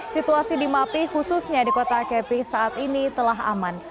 situasi di mapi khususnya di kota kepi saat ini telah aman